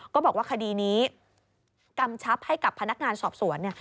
ก็บอกว่าคดีนี้กำชับให้กับพนักงานสอบสวนเนี่ย